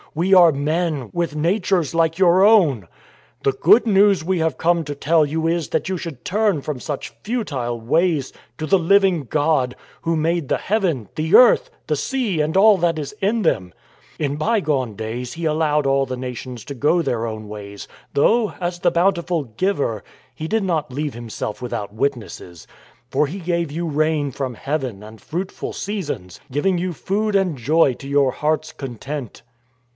We are men, with natures like your own. " The Good News we have come to tell you is that you should turn from such futile ways to the living * Zeus and Hermes are the Greek equivalents for Jupiter and Mercury. 146 THE FORWARD TREAD God, Who made the heaven, the earth, the sea, and all that is in them. " In bygone days He allowed all the nations to go their own ways, though, as the bountiful Giver, He did not leave Himself without witnesses. For he gave you rain from heaven and fruitful seasons, giving you food and joy to your hearts' content."